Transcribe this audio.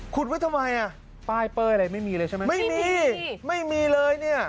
ไว้ทำไมอ่ะป้ายเป้ยอะไรไม่มีเลยใช่ไหมไม่มีไม่มีเลยเนี่ย